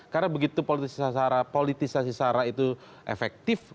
karena begitu politisasi sarah itu efektif